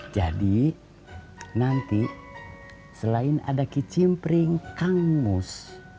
jadi nanti selain ada kicim pring kang mus